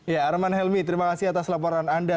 ya arman helmi terima kasih atas laporan anda